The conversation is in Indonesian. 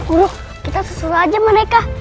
uroh kita susul aja sama mereka